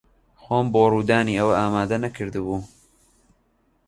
خۆم بۆ ڕوودانی ئەوە ئامادە نەکردبوو.